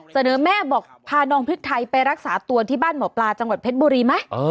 เสนอแม่บอกพาน้องพริกไทยไปรักษาตัวที่บ้านหมอปลาจังหวัดเพชรบุรีไหม